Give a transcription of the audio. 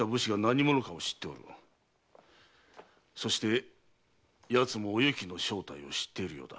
そして奴もおゆきの正体を知っているようだ。